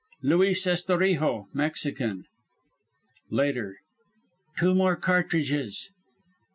"Luis Estorijo, Mexican "Later. Two more cartridges.